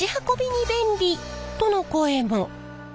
との声も。